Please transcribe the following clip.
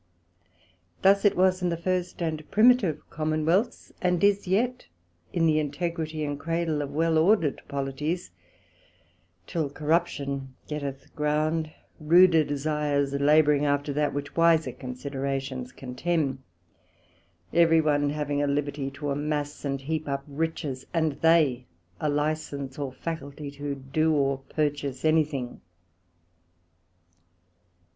Thus it was in the first and primitive Commonwealths, and is yet in the integrity and Cradle of well order'd Polities, till corruption getteth ground, ruder desires labouring after that which wiser considerations contemn; every one having a liberty to amass and heap up riches, and they a licence or faculty to do or purchase any thing.